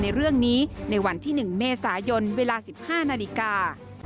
ในเรื่องนี้ในวันที่๑เมษายนเวลา๑๕นาฬิกา